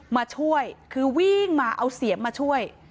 มาช่วยคือวิ่งมาเอาเสียมมาช่วย